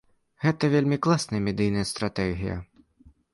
Гэта вельмі класная медыйная стратэгія.